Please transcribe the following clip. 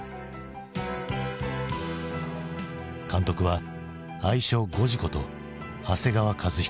監督は愛称「ゴジ」こと長谷川和彦。